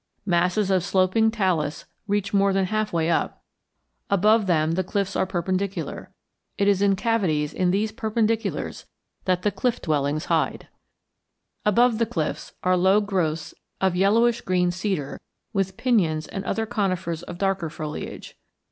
Masses of sloping talus reach more than half way up; above them the cliffs are perpendicular; it is in cavities in these perpendiculars that the cliff dwellings hide. Above the cliffs are low growths of yellowish green cedar with pinyons and other conifers of darker foliage.